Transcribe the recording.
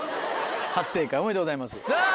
初正解おめでとうございますさぁ